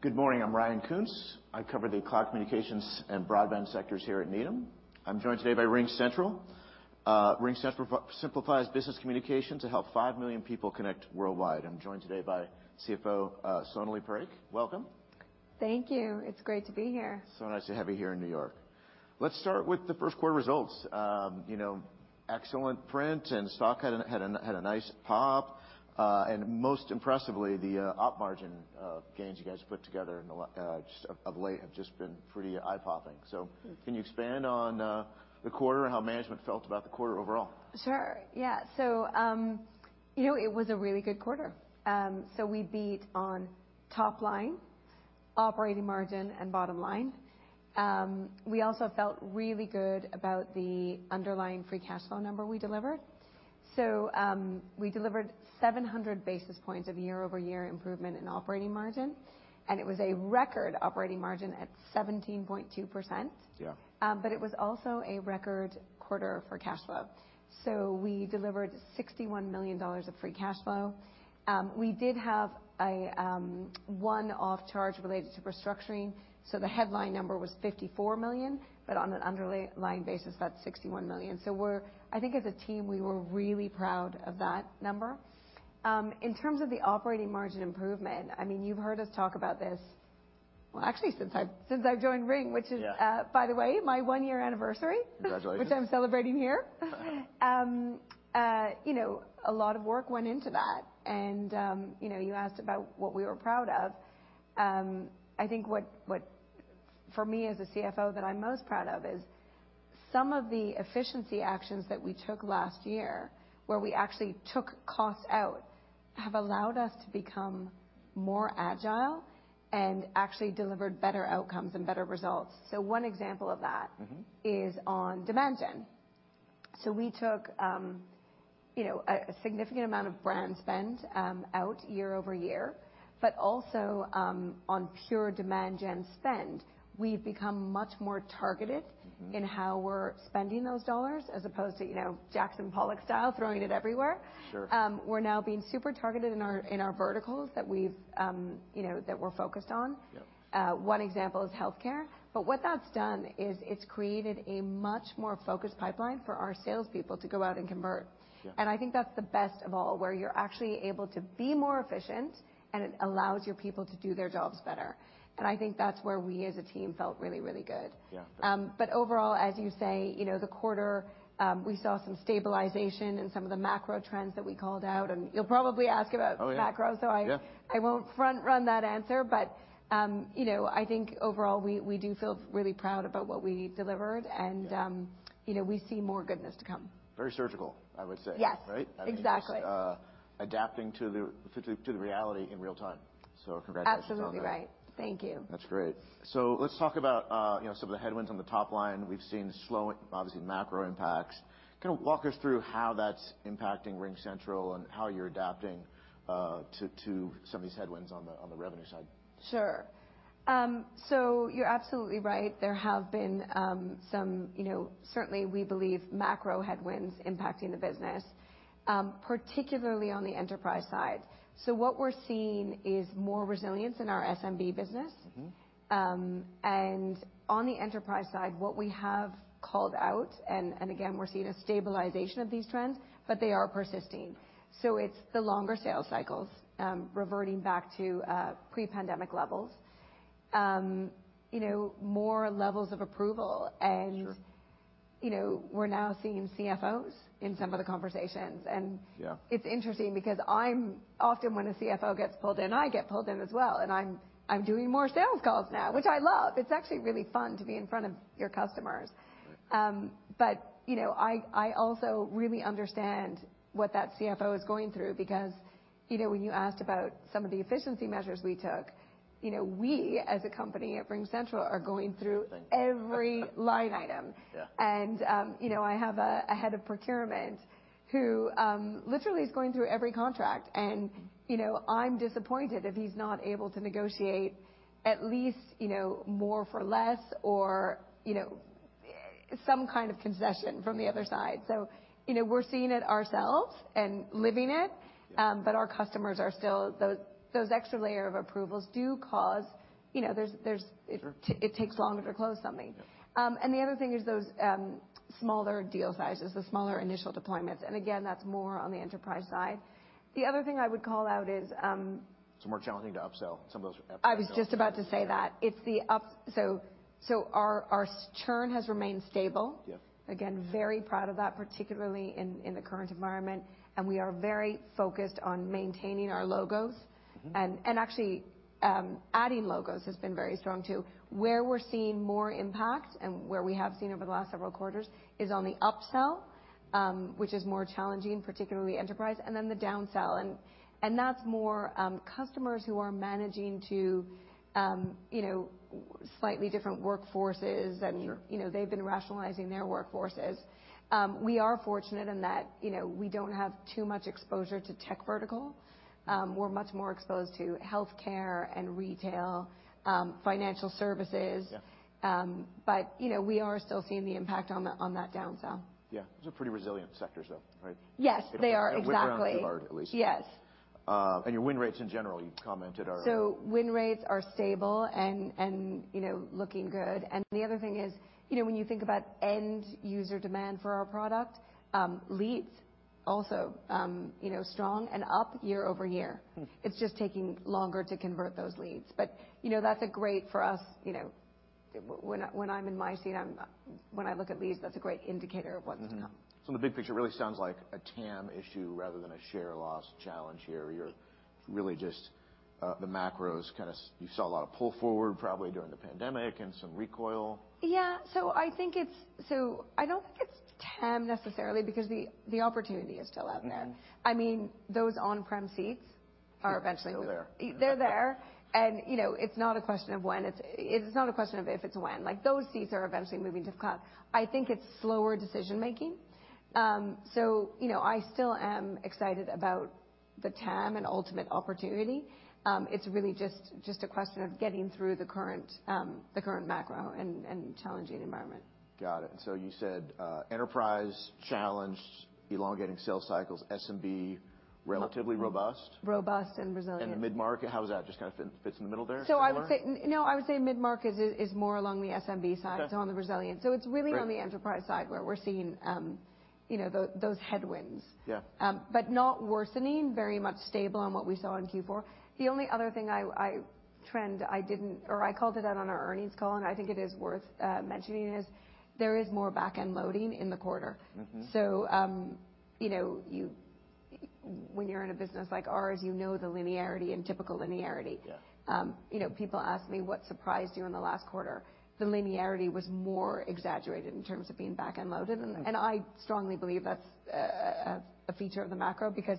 Good morning. I'm Ryan Koontz. I cover the cloud communications and broadband sectors here at Needham. I'm joined today by RingCentral. RingCentral simplifies business communication to help 5 million people connect worldwide. I'm joined today by CFO Sonalee Parekh. Welcome. Thank you. It's great to be here. Nice to have you here in New York. Let's start with the first quarter results. you know, excellent print, and stock had a nice pop. Most impressively, the OP margin gains you guys have put together in the just of late have just been pretty eye-popping. Mm. Can you expand on the quarter and how management felt about the quarter overall? Sure, yeah. you know, it was a really good quarter. We beat on top line, operating margin, and bottom line. We also felt really good about the underlying free cash flow number we delivered. We delivered 700 basis points of year-over-year improvement in operating margin, and it was a record operating margin at 17.2%. Yeah. It was also a record quarter for cash flow. We delivered $61 million of free cash flow. We did have a one-off charge related to restructuring. The headline number was $54 million, but on an underlying basis, that's $61 million. I think as a team, we were really proud of that number. In terms of the operating margin improvement, I mean, you've heard us talk about this, well, actually, since I've joined Ring, which is... Yeah. By the way, my one-year anniversary. Congratulations. Which I'm celebrating here. you know, a lot of work went into that and, you know, you asked about what we were proud of. I think what for me as a CFO that I'm most proud of is some of the efficiency actions that we took last year, where we actually took costs out, have allowed us to become more agile and actually delivered better outcomes and better results. One example of that- Mm-hmm. -is on Demand gen. We took, you know, a significant amount of brand spend, out year-over-year, but also, on pure Demand gen spend. We've become much more targeted. Mm-hmm. in how we're spending those dollars as opposed to, you know, Jackson Pollock style, throwing it everywhere. Sure. We're now being super targeted in our, in our verticals that we've, you know, that we're focused on. Yeah. One example is healthcare, but what that's done is it's created a much more focused pipeline for our salespeople to go out and convert. Yeah. I think that's the best of all, where you're actually able to be more efficient, and it allows your people to do their jobs better. I think that's where we as a team felt really, really good. Yeah. Overall, as you say, you know, the quarter, we saw some stabilization in some of the macro trends that we called out. Oh, yeah. Macro. Yeah. I won't front run that answer. You know, I think overall we do feel really proud about what we delivered and- Yeah. you know, we see more goodness to come. Very surgical, I would say. Yes. Right? Exactly. I mean, just adapting to the reality in real time. Congratulations on that. Absolutely right. Thank you. That's great. Let's talk about, you know, some of the headwinds on the top line. We've seen slow, obviously macro impacts. Kinda walk us through how that's impacting RingCentral and how you're adapting to some of these headwinds on the, on the revenue side. Sure. You're absolutely right. There have been, some, you know, certainly we believe macro headwinds impacting the business, particularly on the enterprise side. What we're seeing is more resilience in our SMB business. Mm-hmm. On the enterprise side, what we have called out and again, we're seeing a stabilization of these trends, but they are persisting. It's the longer sales cycles, reverting back to pre-pandemic levels. You know, more levels of approval and- Sure. you know, we're now seeing CFOs in some of the conversations. Yeah. its interesting because I'm, often, when a CFO gets pulled in, I get pulled in as well, and I'm doing more sales calls now, which I love. It's actually really fun to be in front of your customers. You know, I also really understand what that CFO is going through because, you know, when you asked about some of the efficiency measures we took, you know, we as a company at RingCentral are going through every line item. Yeah. You know, I have a head of procurement who literally is going through every contract and, you know, I'm disappointed if he's not able to negotiate at least, you know, more for less or, you know, some kind of concession from the other side. You know, we're seeing it ourselves and living it. Yeah. Our customers are still, those extra layer of approvals do cause, you know, there's. Sure. It takes longer to close something. Yeah. The other thing is those, smaller deal sizes, the smaller initial deployments, and again, that's more on the enterprise side. The other thing I would call out is. It's more challenging to upsell some of those. I was just about to say that. It's. Our churn has remained stable. Yeah. Very proud of that, particularly in the current environment, and we are very focused on maintaining our logos. Mm-hmm. Actually, adding logos has been very strong too. Where we're seeing more impact and where we have seen over the last several quarters is on the upsell, which is more challenging, particularly enterprise, and then the downsell. That's more, customers who are managing to, you know, slightly different workforces and. Sure. You know, they've been rationalizing their workforces. We are fortunate in that, you know, we don't have too much exposure to tech vertical. We're much more exposed to healthcare, and retail, financial services. Yeah. You know, we are still seeing the impact on the, on that downsell. Yeah. Those are pretty resilient sectors, though, right? Yes, they are. Exactly. Wind around too hard, at least. Yes. Your win rates in general, you've commented are? Win rates are stable and, you know, looking good. The other thing is, you know, when you think about end user demand for our product, leads also, you know, strong and up year-over-year. Mm. It's just taking longer to convert those leads. You know, that's a great for us, you know, when I'm in my seat, when I look at leads, that's a great indicator of what's to come. Mm-hmm. The big picture really sounds like a TAM issue rather than a share loss challenge here. You're really just, the macros kinda you saw a lot of pull forward probably during the pandemic and some recoil. Yeah. I think so I don't think it's TAM necessarily because the opportunity is still out there. Mm-hmm. I mean, those on-prem seats are eventually- They're there. They're there. You know, it's not a question of when. It's not a question of if, it's when. Like, those seats are eventually moving to the cloud. I think it's slower decision-making. You know, I still am excited about the TAM and ultimate opportunity. It's really just a question of getting through the current macro and challenging environment. Got it. You said, enterprise challenged elongating sales cycles, SMB relatively robust. Robust and resilient. The mid-market, how is that? Just kind of fits in the middle there more? I would say mid-market is more along the SMB side. Okay. On the resilience. Great ...on the enterprise side where we're seeing, you know, those headwinds. Yeah. Not worsening. Very much stable on what we saw in Q4. The only other thing I called it out on our earnings call, and I think it is worth mentioning, is there is more back-end loading in the quarter. Mm-hmm. You know, when you're in a business like ours, you know the linearity and typical linearity. Yeah. You know, people ask me, what surprised you in the last quarter? The linearity was more exaggerated in terms of being back-end loaded. Mm. I strongly believe that's a feature of the macro because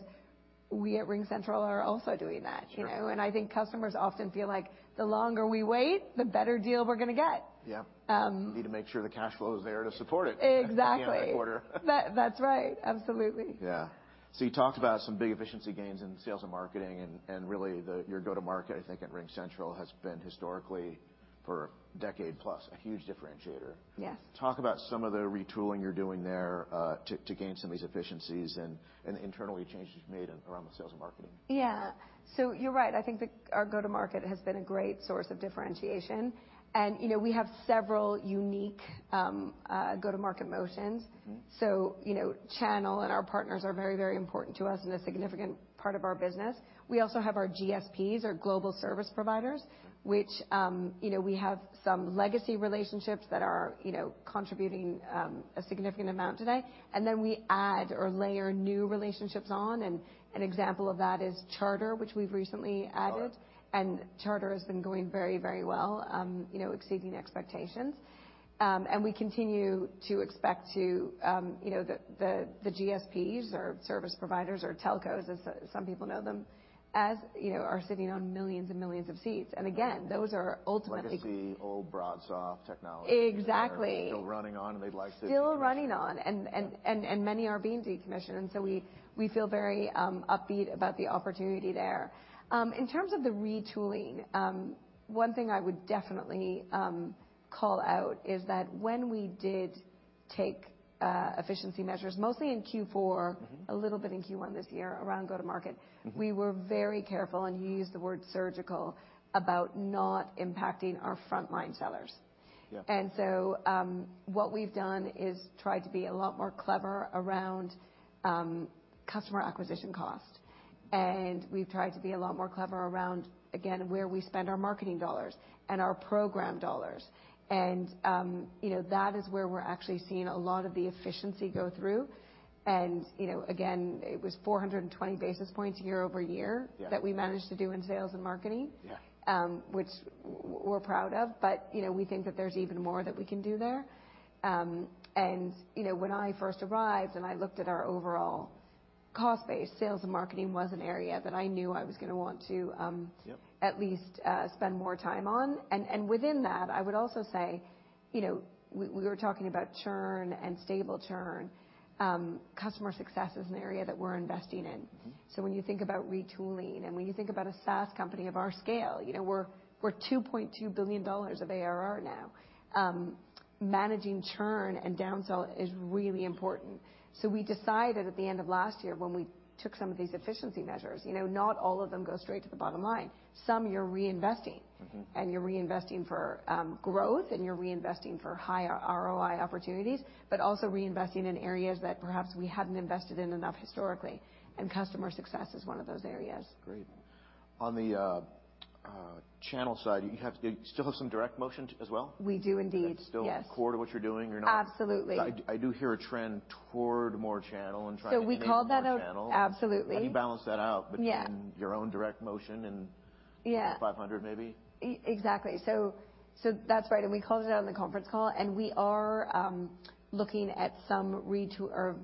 we at RingCentral are also doing that, you know. Sure. I think customers often feel like the longer we wait, the better deal we're gonna get. Yeah. Um- You need to make sure the cash flow is there to support it. Exactly at the end of the quarter. That's right. Absolutely. Yeah. You talked about some big efficiency gains in sales and marketing and really your go-to-market, I think at RingCentral has been historically for a decade plus, a huge differentiator. Yes. Talk about some of the retooling you're doing there, to gain some of these efficiencies and the internal changes made around the sales and marketing. Yeah. you're right. I think our go-to-market has been a great source of differentiation. you know, we have several unique go-to-market motions. Mm-hmm. You know, channel and our partners are very, very important to us and a significant part of our business. We also have our GSPs or global service providers, which, you know, we have some legacy relationships that are, you know, contributing a significant amount today. Then we add or layer new relationships on. An example of that is Charter, which we've recently added. All right. Charter has been going very, very well, you know, exceeding expectations. We continue to expect to, you know, the GSPs or service providers or telcos, as some people know them, as, you know, are sitting on millions and millions of seats. Again, those are. Legacy, old BroadSoft technology. Exactly that are still running on, and they'd like to. Still running on. Many are being decommissioned. So we feel very upbeat about the opportunity there. In terms of the retooling, one thing I would definitely call out is that when we did take efficiency measures, mostly in Q4. Mm-hmm a little bit in Q1 this year around go-to-market. Mm-hmm ...we were very careful, and you used the word surgical, about not impacting our frontline sellers. Yeah. What we've done is try to be a lot more clever around, customer acquisition cost. We've tried to be a lot more clever around, again, where we spend our marketing dollars and our program dollars. That is where we're actually seeing a lot of the efficiency go through. Again, it was 420 basis points year-over-year. Yeah that we managed to do in sales and marketing- Yeah ...which we're proud of. You know, we think that there's even more that we can do there. You know, when I first arrived and I looked at our overall cost base, sales and marketing was an area that I knew I was gonna want to, Yep ...at least, spend more time on. Within that, I would also say, you know, we were talking about churn and stable churn. Customer success is an area that w,e're investing in. Mm-hmm. When you think about retooling and when you think about a SaaS company of our scale, you know, we're $2.2 billion of ARR now. Managing churn and downsell is really important. We decided at the end of last year, when we took some of these efficiency measures, you know, not all of them go straight to the bottom line. Some you're reinvesting. Mm-hmm. You're reinvesting for, growth, and you're reinvesting for higher ROI opportunities, but also reinvesting in areas that perhaps we hadn't invested in enough historically, and customer success is one of those areas. Great. On the channel side, do you still have some direct motion as well? We do indeed. Is it still- Yes ...core to what you're doing or not? Absolutely. I do hear a trend toward more channel and trying to. we called that out. ...get more channel. Absolutely. How do you balance that out between- Yeah ...your own direct motion. Yeah The Fortune 500 maybe? Exactly. That's right. We called it out on the conference call, and we are looking at some retool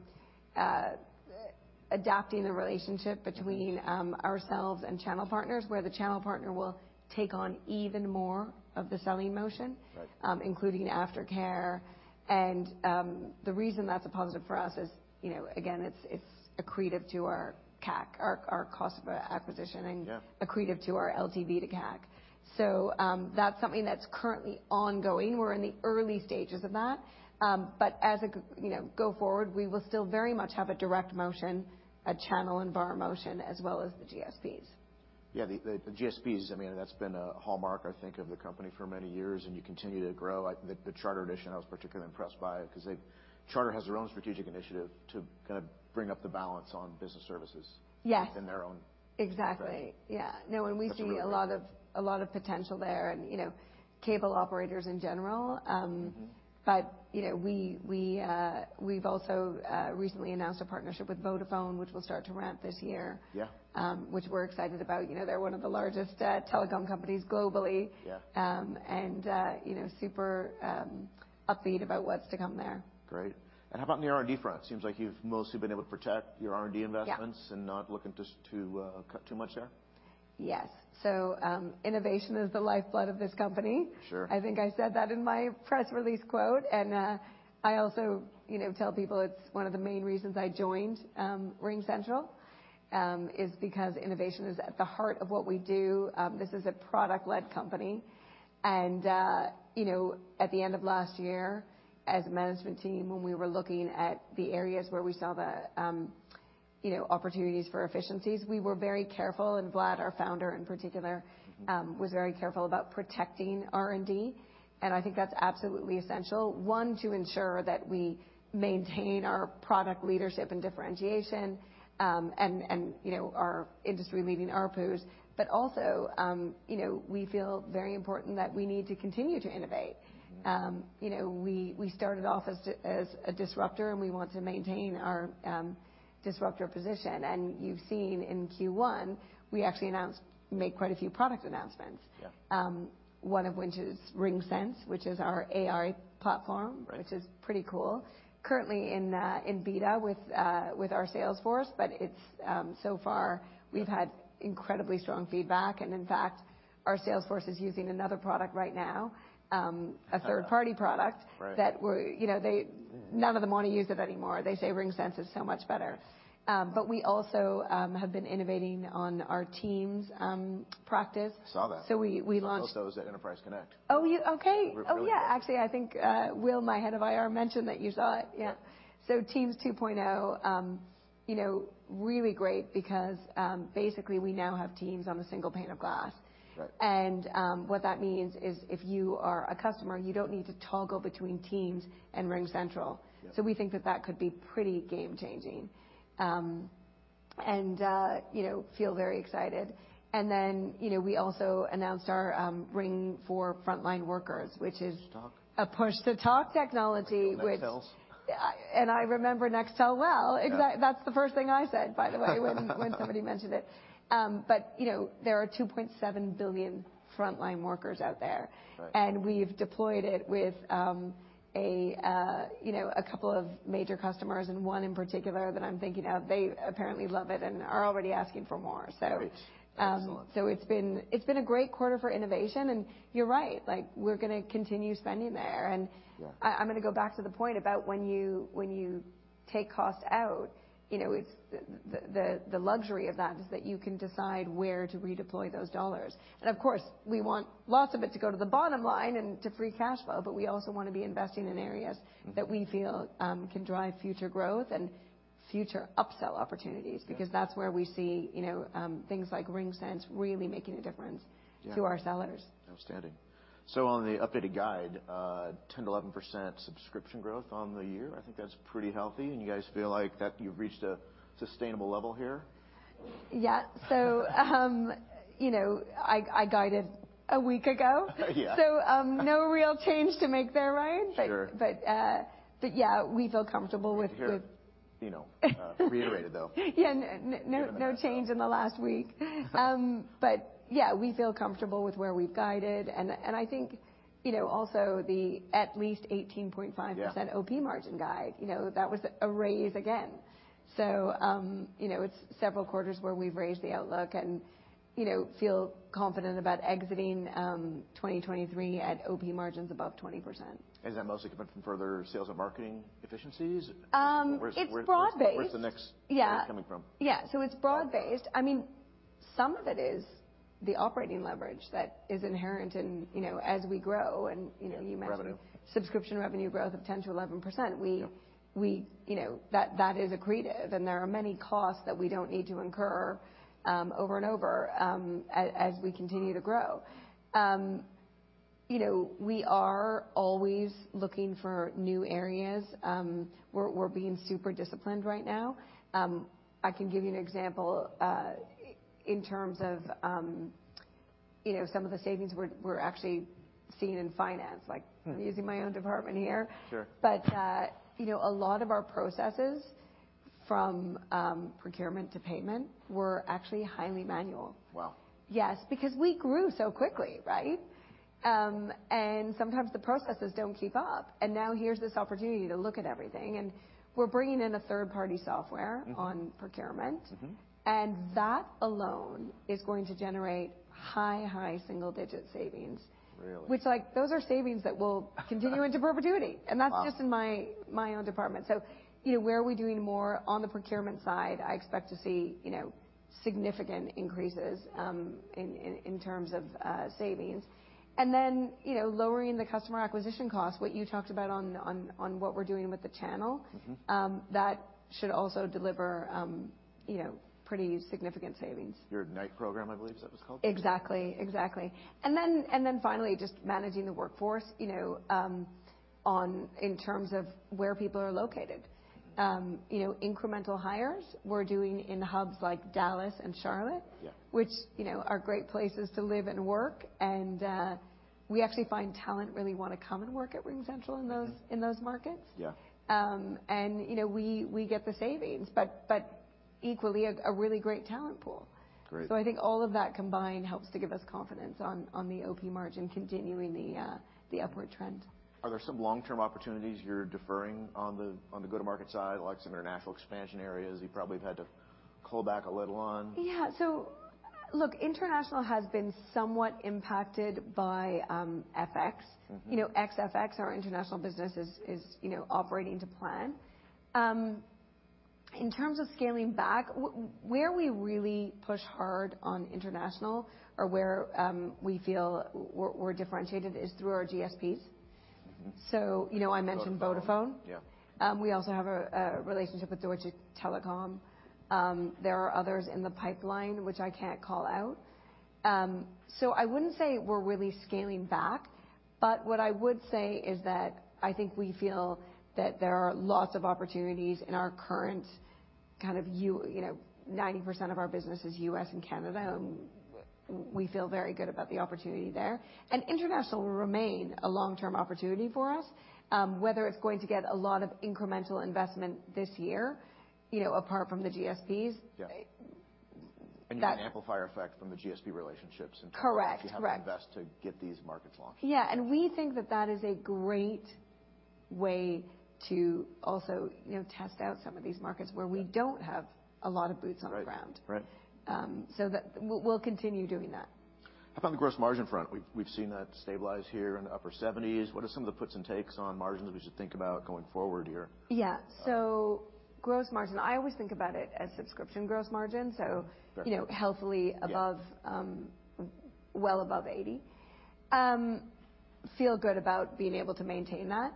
or adapting the relationship. Mm-hmm Between ourselves and channel partners, where the channel partner will take on even more of the selling motion. Right ...including aftercare. The reason that's a positive for us is, you know, again, it's accretive to our CAC, our cost of acquisition. Yeah ...and accretive to our LTV to CAC. That's something that's currently ongoing. We're in the early stages of that. As a you know, go forward, we will still very much have a direct motion, a channel and VAR motion, as well as the GSPs. Yeah, the GSPs, I mean, that's been a hallmark, I think, of the company for many years, and you continue to grow. The, the Charter addition, I was particularly impressed by it 'cause they... Charter has their own strategic initiative to kind of bring up the balance on business services... Yes. within their own. Exactly. Yeah. No. That's a really good-. We see a lot of potential there and, you know, cable operators in general. Mm-hmm. You know, we've also recently announced a partnership with Vodafone, which we'll start to ramp this year. Yeah. Which we're excited about. You know, they're one of the largest, telecom companies globally. Yeah. You know, super, upbeat about what's to come there. Great. How about on the R&D front? Seems like you've mostly been able to protect your R&D investments... Yeah. not looking to cut too much there. Yes. Innovation is the lifeblood of this company. Sure. I think I said that in my press release quote. I also, you know, tell people it's one of the main reasons I joined RingCentral, is because innovation is at the heart of what we do. This is a product-led company. You know, at the end of last year, as a management team, when we were looking at the areas where we saw the, you know, opportunities for efficiencies, we were very careful. Vlad, our founder in particular, was very careful about protecting R&D, and I think that's absolutely essential, one, to ensure that we maintain our product leadership and differentiation, and, you know, our industry-leading ARPUs. Also, you know, we feel very important that we need to continue to innovate. Mm-hmm. You know, we started off as a disruptor, and we want to maintain our disruptor position. You've seen in Q1, we actually made quite a few product announcements. Yeah. One of which is RingSense, which is our AI platform Right. Which is pretty cool. Currently in beta with our sales force, but it's so far we've had incredibly strong feedback. In fact, our sales force is using another product right now, a third party product. Right. That we're, you know, none of them wanna use it anymore. They say RingSense is so much better. We also have been innovating on our team's practice. Saw that. We launched. I saw those at Enterprise Connect. Oh, you... Okay. It looked really good. Oh, yeah. Actually, I think, Will, my head of IR, mentioned that you saw it. Yeah. Teams 2.0, you know, really great because, basically we now have Teams on a single pane of glass. Right. What that means is if you are a customer, you don't need to toggle between Teams and RingCentral. Yeah. We think that could be pretty game-changing, and, you know, feel very excited. Then, you know, we also announced our RingCentral for frontline workers. Push-to-Talk. A Push-to-Talk technology, which, Like the Nextels. I remember Nextel well. Yeah. That's the first thing I said, by the way, when somebody mentioned it. You know, there are 2.7 billion frontline workers out there. Right. We've deployed it with, you know, a couple of major customers and one in particular that I'm thinking of. They apparently love it and are already asking for more. Great. Excellent. It's been a great quarter for innovation, and you're right, like, we're gonna continue spending there. Yeah. I'm gonna go back to the point about when you, when you take costs out, you know, it's the luxury of that is that you can decide where to redeploy those dollars. Of course, we want lots of it to go to the bottom line and to free cash flow, but we also wanna be investing in areas- Mm-hmm. -that we feel, can drive future growth and future upsell opportunities. Yeah. That's where we see, you know, things like RingSense really making a difference. Yeah. -to our sellers. Outstanding. On the updated guide, 10%-11% subscription growth on the year. I think that's pretty healthy. You guys feel like that you've reached a sustainable level here? Yeah. you know, I guided a week ago. Yeah. No real change to make there, Ryan. Sure. Yeah, we feel comfortable with. Good to hear it, you know, reiterated, though. No change in the last week. Yeah, we feel comfortable with where we've guided and I think, you know, also the at least 18.5%. Yeah. OP margin guide, you know, that was a raise again. you know, it's several quarters where we've raised the outlook and, you know, feel confident about exiting, 2023 at OP margins above 20%. Is that mostly coming from further sales and marketing efficiencies? It's broad-based. Where's? Yeah. Where's it coming from? Yeah. It's broad-based. I mean, some of it is the operating leverage that is inherent in, you know, as we grow and, you know, you mentioned. Revenue. Subscription revenue growth of 10%-11%. Yeah. You know, that is accretive, and there are many costs that we don't need to incur, over and over, as we continue to grow. You know, we are always looking for new areas. We're being super disciplined right now. I can give you an example, in terms of, you know, some of the savings we're actually seeing in finance. Like I'm using my own department here. Sure. You know, a lot of our processes from procurement to payment were actually highly manual. Wow. Yes, because we grew so quickly, right? Sometimes the processes don't keep up. Now here's this opportunity to look at everything, and we're bringing in a third-party software. Mm-hmm. on procurement. Mm-hmm. That alone is going to generate high, high single digit savings. Really? Like, those are savings that will continue into perpetuity. Wow. That's just in my own department. You know, where are we doing more on the procurement side, I expect to see, you know, significant increases in terms of savings. Then, you know, lowering the customer acquisition costs, what you talked about on what we're doing with the channel. Mm-hmm. That should also deliver, you know, pretty significant savings. Your IGNITE program, I believe that was called? Exactly. Finally, just managing the workforce. You know, in terms of where people are located. You know, incremental hires we're doing in hubs like Dallas and Charlotte. Yeah. which, you know, are great places to live and work, and, we actually find talent really wanna come and work at RingCentral in those markets. Yeah. You know, we get the savings, but equally a really great talent pool. Great. I think all of that combined helps to give us confidence on the OP margin continuing the upward trend. Are there some long-term opportunities you're deferring on the, on the go-to-market side, like some international expansion areas you probably have had to cull back a little on? Yeah. Look, international has been somewhat impacted by, FX. Mm-hmm. You know, ex-FX, our international business is, you know, operating to plan. In terms of scaling back, where we really push hard on international or where we feel we're differentiated is through our GSPs. Mm-hmm. You know, I mentioned Vodafone. Vodafone, yeah. We also have a relationship with Deutsche Telekom. There are others in the pipeline which I can't call out. I wouldn't say we're really scaling back, but what I would say is that I think we feel that there are lots of opportunities in our current kind of You know, 90% of our business is U.S. and Canada. We feel very good about the opportunity there, and international will remain a long-term opportunity for us. Whether it's going to get a lot of incremental investment this year, you know, apart from the GSPs- Yeah. They... That- You get an amplifier effect from the GSP relationships. Correct. Correct. You have to invest to get these markets launching. Yeah. We think that that is a great way to also, you know, test out some of these markets where we don't have a lot of boots on the ground. Right. Right. That we'll continue doing that. How about on the gross margin front? We've seen that stabilize here in the upper 70s. What are some of the puts and takes on margins we should think about going forward here? Yeah. gross margin, I always think about it as subscription gross margin. Right. you know, healthily above- Yeah. Well above 80. Feel good about being able to maintain that.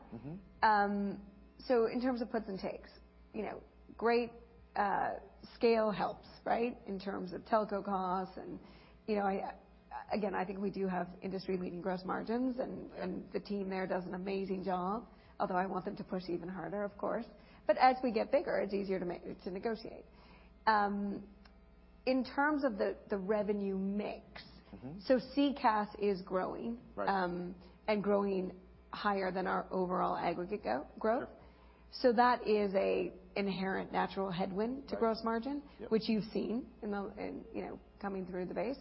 Mm-hmm. In terms of puts and takes, you know, great, scale helps, right? In terms of telco costs and, you know, I, again, I think we do have industry-leading gross margins, and the team there does an amazing job, although I want them to push even harder, of course. As we get bigger, it's easier to negotiate. In terms of the revenue mix. Mm-hmm. CCaaS is growing. Right. Growing higher than our overall aggregate go-growth. Yeah. That is a inherent natural headwind to gross margin. Right. Yeah. which you've seen in the, in, you know, coming through the base.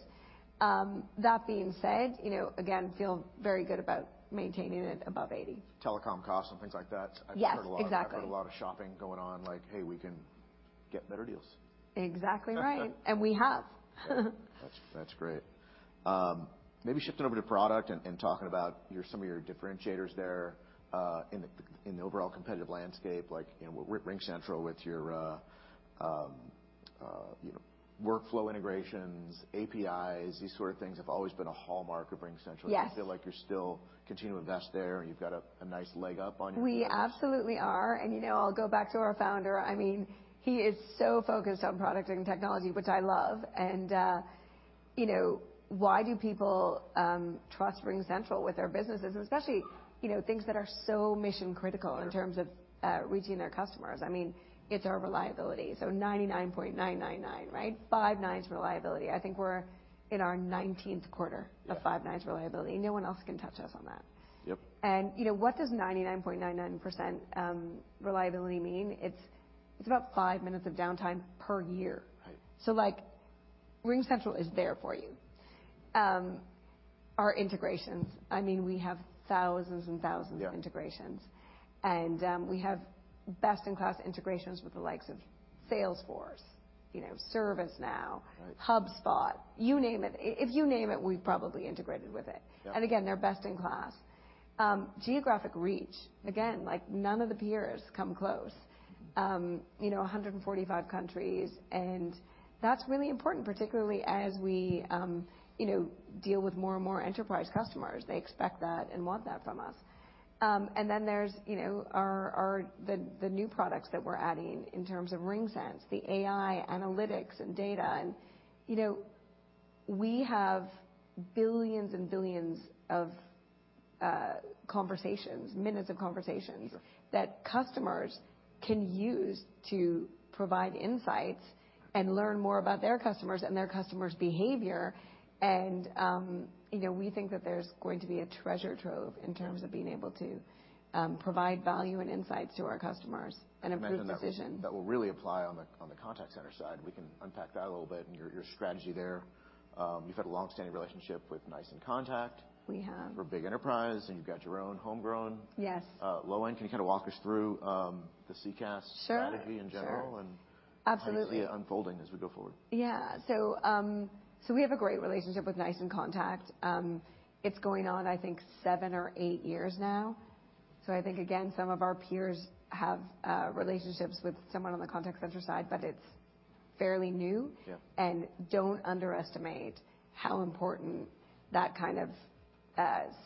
That being said, you know, again, feel very good about maintaining it above 80. Telecom costs and things like that. Yes. Exactly. I've heard a lot of shopping going on, like, "Hey, we can get better deals. Exactly right. We have. That's great. Maybe shifting over to product and talking about some of your differentiators there, in the, in the overall competitive landscape, like, you know, with RingCentral, with your, you know, workflow integrations, APIs, these sort of things have always been a hallmark of RingCentral. Yes. Do you feel like you're still continue to invest there and you've got a nice leg up on your competitors? We absolutely are, you know, I'll go back to our founder. I mean, he is so focused on product and technology, which I love. You know, why do people trust RingCentral with their businesses, and especially, you know, things that are so mission-critical. Yeah. in terms of reaching their customers? I mean, it's our reliability. 99.999, right? Five-nines reliability. I think we're in our 19th quarter. Yeah. Of Five-nines reliability. No one else can touch us on that. Yep. You know, what does 99.999% reliability mean? It's about five minutes of downtime per year. Right. like, RingCentral is there for you. Our integrations, I mean, we have thousands and thousands- Yeah. of integrations, and, we have best-in-class integrations with the likes of Salesforce, you know, ServiceNow. Right. HubSpot, you name it. If you name it, we've probably integrated with it. Yeah. Again, they're best in class. Geographic reach, again, like none of the peers come close. 145 countries, that's really important, particularly as we deal with more and more enterprise customers. They expect that and want that from us. Then there's our new products that we're adding in terms of RingSense, the AI analytics and data, and, you know, we have billions and billions of conversations, minutes of conversations. Sure. That customers can use to provide insights and learn more about their customers and their customers' behavior. You know, we think that there's going to be a treasure trove in terms of being able to, provide value and insights to our customers and improve decision. I imagine that will really apply on the contact center side. We can unpack that a little bit and your strategy there. You've had a long-standing relationship with NICE inContact. We have. For big enterprise, and you've got your own homegrown. Yes. low end. Can you kind of walk us through, the CCaaS strategy? Sure. Sure. in general and Absolutely. How do you see it unfolding as we go forward? Yeah. We have a great relationship with NICE inContact. It's going on, I think seven or eight years now. I think, again, some of our peers have relationships with someone on the contact center side, but it's fairly new. Yeah. Don't underestimate how important that kind of,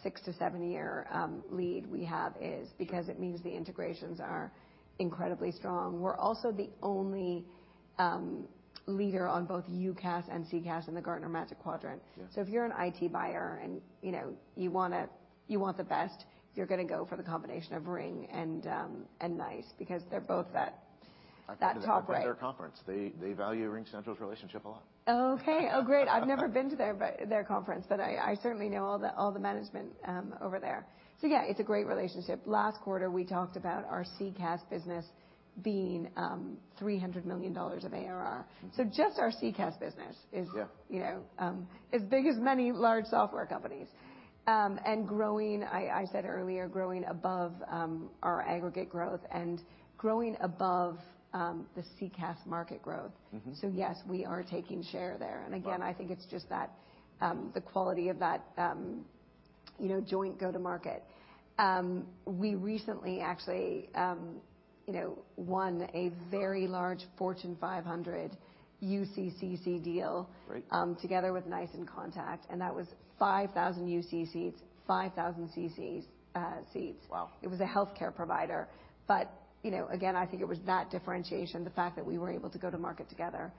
six to seven-year, lead we have is. Sure. because it means the integrations are incredibly strong. We're also the only leader on both UCaaS and CCaaS in the Gartner Magic Quadrant. Yeah. If you're an IT buyer and you know you wanna, you want the best, you're gonna go for the combination of Ring and NICE because they're both that. I've been to their conference. They value RingCentral's relationship a lot. Okay. Oh, great. I've never been to their conference, but I certainly know all the management over there. Yeah, it's a great relationship. Last quarter, we talked about our CCaaS business being $300 million of ARR. Just our CCaaS business Yeah... you know, as big as many large software companies. Growing, I said earlier, growing above, our aggregate growth and growing above, the CCaaS market growth. Mm-hmm. Yes, we are taking share there. Again, I think it's just that, the quality of that, you know, joint go-to-market. We recently, actually, you know, won a very large Fortune 500 UCCC deal. Great... together with NICE inContact, and that was 5,000 UCC seats, 5,000 CCs, seats. Wow. It was a healthcare provider. You know, again, I think it was that differentiation, the fact that we were able to go to market together.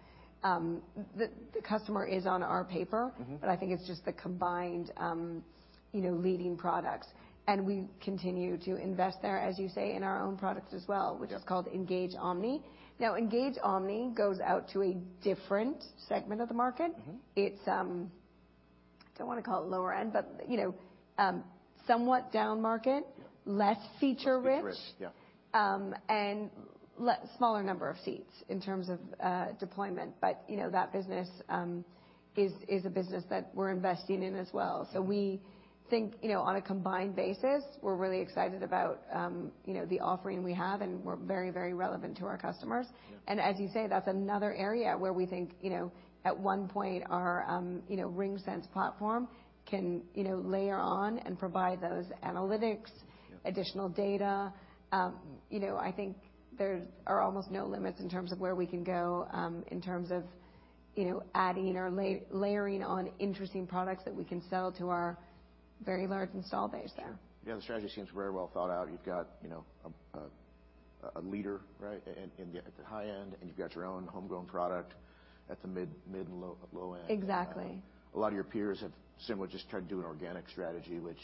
The customer is on our paper. Mm-hmm. I think it's just the combined, you know, leading products. We continue to invest there, as you say, in our own products as well, which is called Engage Omni. Engage Omni goes out to a different segment of the market. Mm-hmm. It's, don't wanna call it lower end, but, you know, somewhat downmarket. Yeah... less feature rich. Less feature rich, yeah. Smaller number of seats in terms of deployment. You know, that business is a business that we're investing in as well. We think, you know, on a combined basis, we're really excited about, you know, the offering we have, and we're very, very relevant to our customers. Yeah. As you say, that's another area where we think, you know, at one point our, you know, RingSense platform can, you know, layer on and provide those analytics. Yeah... additional data. You know, I think there are almost no limits in terms of where we can go, in terms of, you know, adding or layering on interesting products that we can sell to our very large install base there. Sure. Yeah, the strategy seems very well thought out. You've got, you know, a leader, right, at the high end, and you've got your own homegrown product at the mid and low end. Exactly. A lot of your peers have similar just tried to do an organic strategy, which,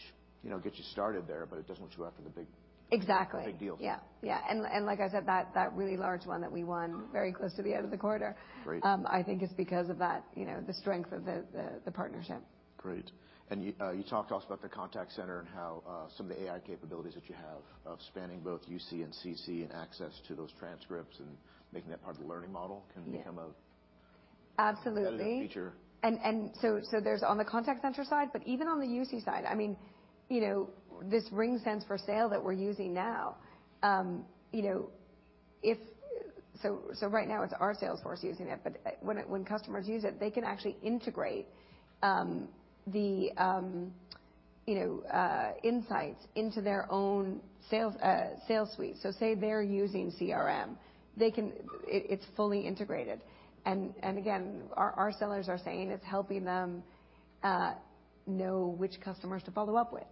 you know, gets you started there, but it doesn't let you go after the big- Exactly... big deals. Yeah, yeah. Like I said, that really large one that we won very close to the end of the quarter. Great. I think it's because of that, you know, the strength of the partnership. Great. You talked to us about the contact center and how some of the AI capabilities that you have of spanning both UC, and CC and access to those transcripts and making that part of the learning model can become. Absolutely... added feature. There's on the contact center side, but even on the UC side, I mean, you know, this RingSense for Sales that we're using now, right now it's our sales force using it, but when customers use it, they can actually integrate the insights into their own sales suite. Say they're using CRM, it's fully integrated. Again, our sellers are saying it's helping them know which customers to follow up with,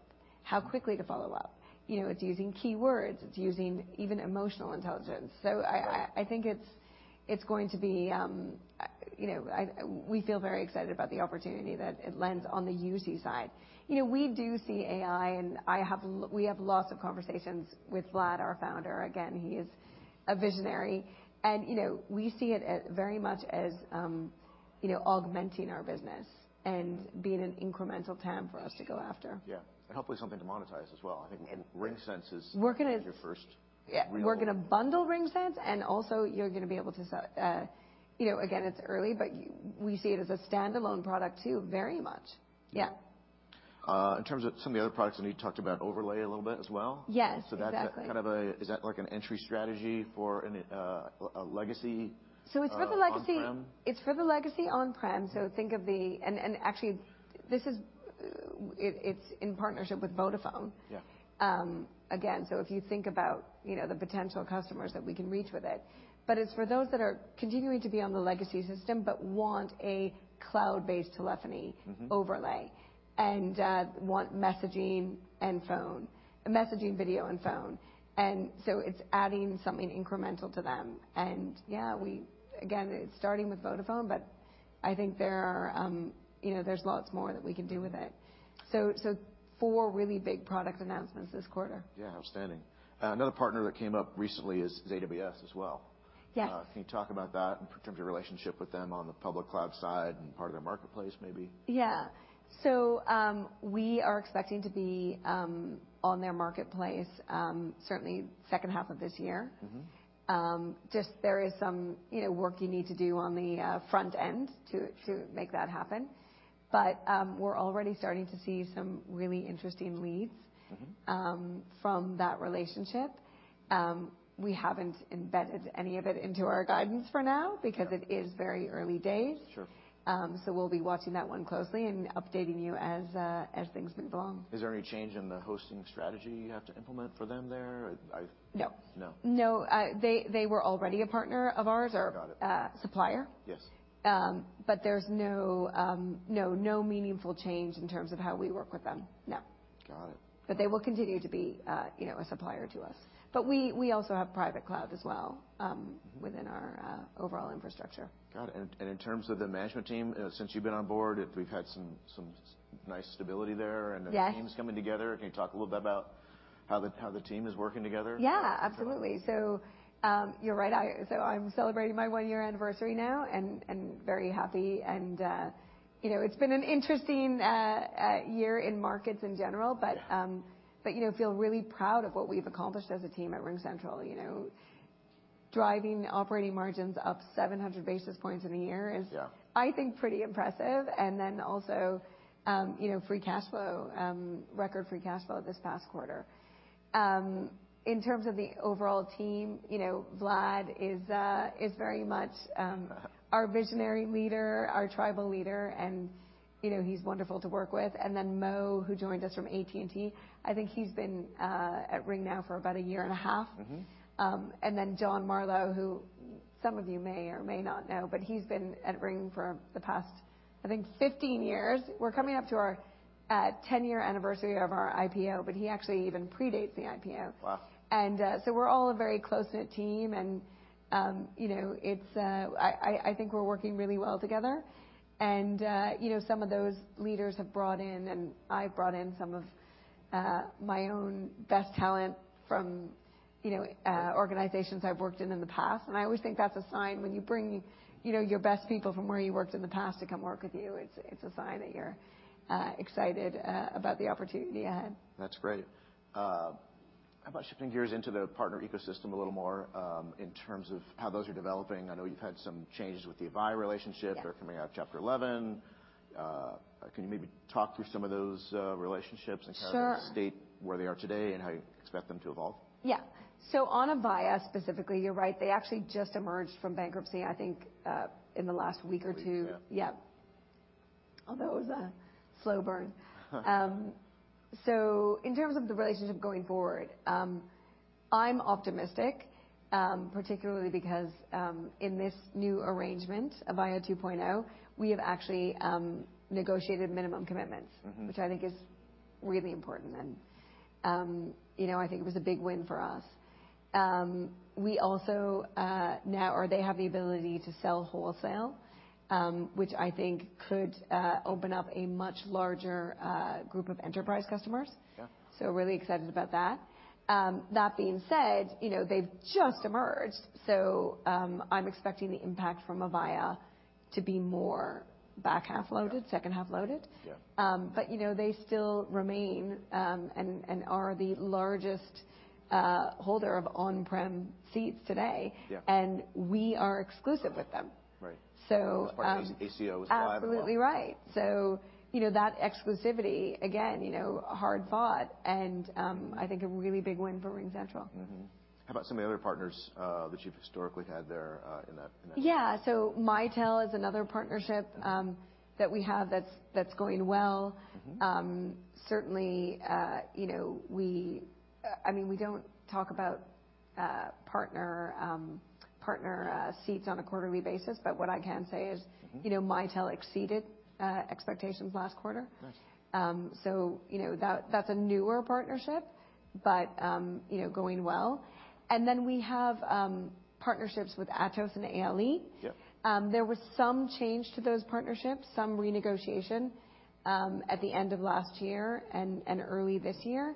how quickly to follow up. You know, it's using keywords. It's using even emotional intelligence. Great... I think it's going to be, you know, we feel very excited about the opportunity that it lends on the UC side. You know, we do see AI and we have lots of conversations with Vlad, our founder. He is a visionary and, you know, we see it as very much as, you know, augmenting our business and being an incremental TAM for us to go after. Yeah. Hopefully something to monetize as well. I think RingSense is. We're gonna- ...your first... Yeah. We're gonna bundle RingSense and also you're gonna be able to, you know, again, it's early, but we see it as a standalone product too, very much. Yeah. In terms of some of the other products, I know you talked about overlay a little bit as well. Yes, exactly. that's kind of a. Is that like an entry strategy for a legacy-? It's for the legacy. On-prem? It's for the legacy on-prem. It's in partnership with Vodafone. Yeah. Again, if you think about, you know, the potential customers that we can reach with it, but it's for those that are continuing to be on the legacy system but want a cloud-based telephony overlay. Mm-hmm... and want messaging and phone. Messaging, video and phone. It's adding something incremental to them. Again, it's starting with Vodafone, but I think there are, you know, there's lots more that we can do with it. Four really big product announcements this quarter. Yeah. Outstanding. Another partner that came up recently is AWS as well. Yes. Can you talk about that in terms of your relationship with them on the public cloud side and part of their marketplace, maybe? Yeah. We are expecting to be on their marketplace, certainly second half of this year. Mm-hmm. Just there is some, you know, work you need to do on the front end to make that happen. We're already starting to see some really interesting leads. Mm-hmm From that relationship. We haven't embedded any of it into our guidance for now because it is very early days. Sure. We'll be watching that one closely and updating you as things move along. Is there any change in the hosting strategy you have to implement for them there? No. No. No. They were already a partner of ours. Got it.... a supplier. Yes. There's no meaningful change in terms of how we work with them. No. Got it. They will continue to be, you know, a supplier to us. We also have private cloud as well, within our overall infrastructure. Got it. In terms of the management team, since you've been on board, we've had some nice stability there. Yes... and the team's coming together. Can you talk a little bit about how the team is working together? Yeah, absolutely. You're right. I'm celebrating my one-year anniversary now and very happy and, you know, it's been an interesting year in markets in general, but, you know, feel really proud of what we've accomplished as a team at RingCentral, you know. Driving operating margins up 700 basis points in a year is Yeah. I think pretty impressive. Also, you know, free cash flow, record free cash flow this past quarter. In terms of the overall team, you know, Vlad is very much our visionary leader, our tribal leader, and, you know, he's wonderful to work with. Mo, who joined us from AT&T, I think he's been at Ring now for about a year and a half. Mm-hmm. John Marlow, who some of you may or may not know, but he's been at Ring for the past, I think 15 years. We're coming up to our 10-year anniversary of our IPO, but he actually even predates the IPO. Wow. We're all a very close-knit team and, you know, I think we're working really well together. Some of those leaders have brought in and I've brought in some of my own best talent from, you know, organizations I've worked in in the past. I always think that's a sign when you bring, you know, your best people from where you worked in the past to come work with you, it's a sign that you're excited about the opportunity ahead. That's great. How about shifting gears into the partner ecosystem a little more, in terms of how those are developing. I know you've had some changes with the Avaya relationship. Yeah. They're coming out of Chapter 11. Can you maybe talk through some of those relationships? Sure. kind of state where they are today and how you expect them to evolve? Yeah. On Avaya specifically, you're right. They actually just emerged from bankruptcy, I think, in the last week or two. Two weeks, yeah. Yeah. Although it was a slow burn. In terms of the relationship going forward, I'm optimistic, particularly because, in this new arrangement, Avaya 2.0, we have actually, negotiated minimum commitments. Mm-hmm. Which I think is really important. You know, I think it was a big win for us. We also, they have the ability to sell wholesale, which I think could open up a much larger group of enterprise customers. Yeah. Really excited about that. That being said, you know, they've just emerged, so, I'm expecting the impact from Avaya to be more back half-loaded, second half-loaded. Yeah. You know, they still remain, and are the largest holder of on-prem seats today. Yeah. We are exclusive with them. Right. So, um- As far as ACO is live. Absolutely right. you know, that exclusivity, again, you know, hard-fought and, I think a really big win for RingCentral. Mm-hmm. How about some of the other partners, that you've historically had there, in that space? Yeah. Mitel is another partnership, that we have that's going well. Mm-hmm. Certainly, you know, I mean, we don't talk about partner seats on a quarterly basis, but what I can say is. Mm-hmm. you know, Mitel exceeded expectations last quarter. Nice. You know, that's a newer partnership, you know, going well. We have partnerships with Atos and ALE. Yeah. There was some change to those partnerships, some renegotiation, at the end of last year and early this year,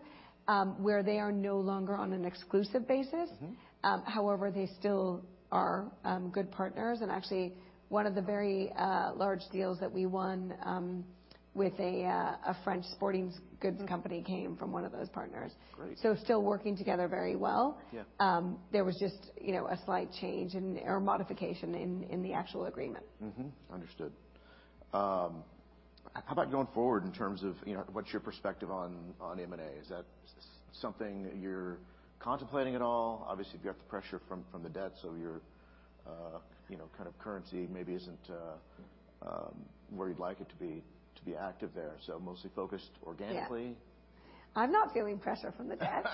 where they are no longer on an exclusive basis. Mm-hmm. However, they still are good partners and actually one of the very large deals that we won with a French sporting goods company came from one of those partners. Great. Still working together very well. Yeah. There was just, you know, a slight change in or modification in the actual agreement. Understood. How about going forward in terms of, you know, what's your perspective on M&A? Is that something you're contemplating at all? Obviously, you've got the pressure from the debt, so your, you know, kind of currency maybe isn't where you'd like it to be to be active there. Mostly focused organically. Yeah. I'm not feeling pressure from the debt.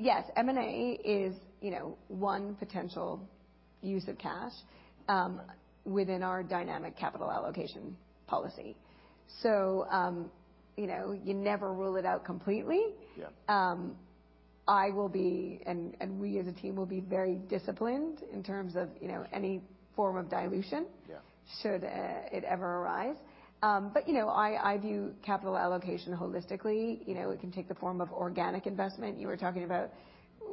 Yes, M&A is, you know, one potential use of cash, within our dynamic capital allocation policy. You know, you never rule it out completely. Yeah. I will be, and we as a team will be very disciplined in terms of, you know, any form of dilution. Yeah. Should it ever arise. You know, I view capital allocation holistically. You know, it can take the form of organic investment. You were talking about,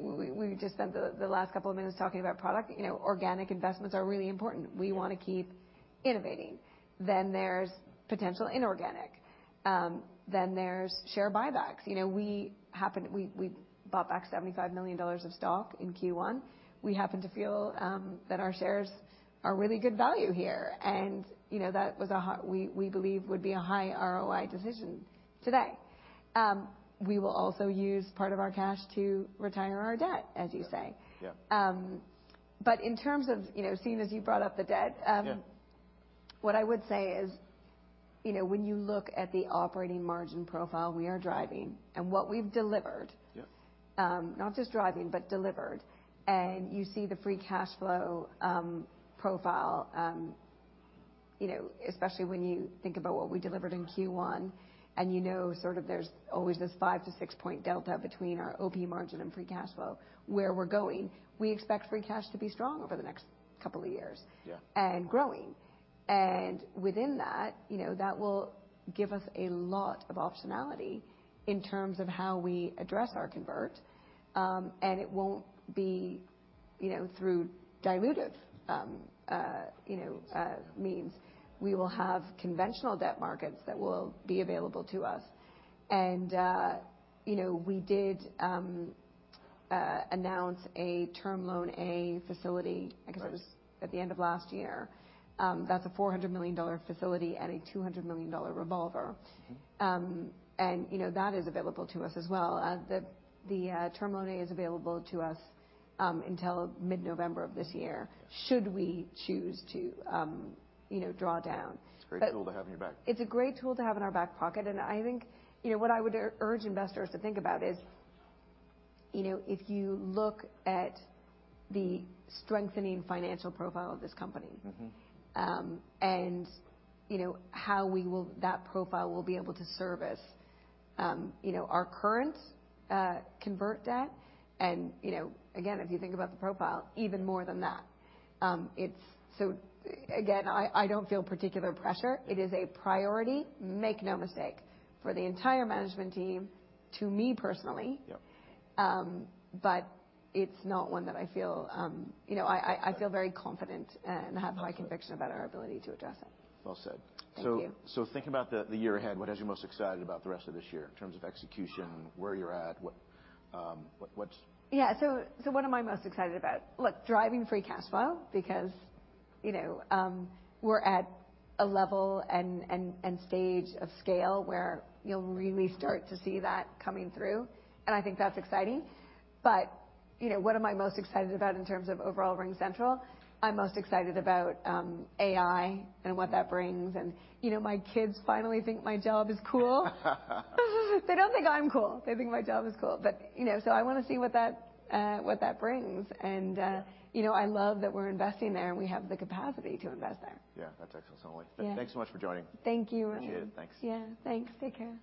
we just spent the last couple of minutes talking about product. You know, organic investments are really important. Yeah. We wanna keep innovating. There's potential inorganic. There's share buybacks. You know, we bought back $75 million of stock in Q1. We happen to feel that our shares are really good value here. You know, that was a high we believe would be a high ROI decision today. We will also use part of our cash to retire our debt, as you say. Yeah. Yeah. In terms of, you know, seeing as you brought up the debt. Yeah. What I would say is, you know, when you look at the operating margin profile we are driving and what we've delivered. Yeah. Not just driving but delivered, you see the free cash flow profile, you know, especially when you think about what we delivered in Q1, and you know sort of there's always this five to six point delta between our OP margin and free cash flow, where we're going, we expect free cash to be strong over the next couple of years. Yeah. Growing. Within that, you know, that will give us a lot of optionality in terms of how we address our convert. It won't be, you know, through dilutive, you know, means. We will have conventional debt markets that will be available to us. You know, we did announce a term loan A facility, I guess it was at the end of last year. That's a $400 million facility and a $200 million revolver. Mm-hmm. You know, that is available to us as well. The Term Loan A is available to us until mid-November of this year, should we choose to, you know, draw down. It's a great tool to have in your back. It's a great tool to have in our back pocket. I think, you know, what I would urge investors to think about is, you know, if you look at the strengthening financial profile of this company. Mm-hmm... you know, that profile will be able to service, you know, our current convert debt. You know, again, if you think about the profile even more than that, again, I don't feel particular pressure. It is a priority, make no mistake, for the entire management team, to me personally. Yep. It's not one that I feel, you know, I feel very confident and have high conviction about our ability to address it. Well said. Thank you. Thinking about the year ahead, what has you most excited about the rest of this year in terms of execution, where you're at, what? Yeah. What am I most excited about? Look, driving free cash flow because, you know, we're at a level and stage of scale where you'll really start to see that coming through, and I think that's exciting. You know, what am I most excited about in terms of overall RingCentral? I'm most excited about AI and what that brings. You know, my kids finally think my job is cool. They don't think I'm cool. They think my job is cool. You know, I wanna see what that brings. You know, I love that we're investing there and we have the capacity to invest there. Yeah. That's excellent, Sonalee. Yeah. Thanks so much for joining. Thank you, Ryan. Appreciate it. Thanks. Yeah, thanks. Take care.